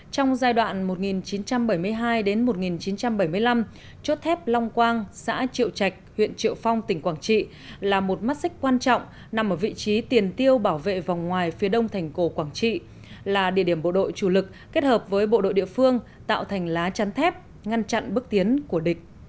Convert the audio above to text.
trong giai đoạn một nghìn chín trăm bảy mươi hai một nghìn chín trăm bảy mươi năm chốt thép long quang xã triệu trạch huyện triệu phong tỉnh quảng trị là một mắt xích quan trọng nằm ở vị trí tiền tiêu bảo vệ vòng ngoài phía đông thành cổ quảng trị là địa điểm bộ đội chủ lực kết hợp với bộ đội địa phương tạo thành lá chắn thép ngăn chặn bước tiến của địch